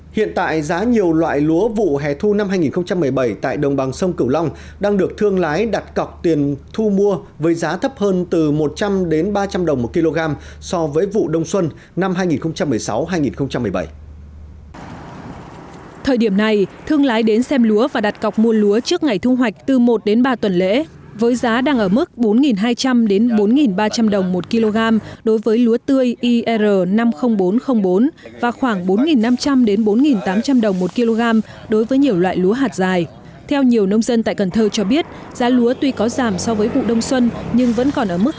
hiện tại giá nhiều loại lúa vụ hè thu năm hai nghìn một mươi bảy tại đồng bằng sông cửu long đang được thương lái đặt cọc tiền thu mua với giá thấp hơn từ một trăm linh ba trăm linh đồng một kg so với vụ đông xuân năm hai nghìn một mươi sáu hai nghìn một mươi bảy